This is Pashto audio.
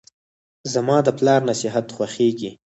زماد پلار نصیحت خوښیږي.